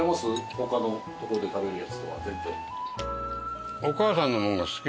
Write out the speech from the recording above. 他の所で食べるやつとは全然。